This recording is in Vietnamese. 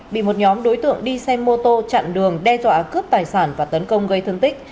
bị một nhóm đối tượng đi xe mô tô chặn đường đe dọa cướp tài sản và tấn công gây thương tích